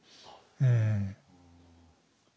うん。